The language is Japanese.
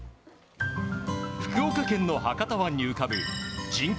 福岡県の博多湾に浮かぶ人口